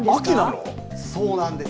そうなんです。